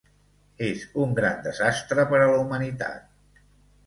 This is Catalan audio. És un gran desastre per a la humanitat.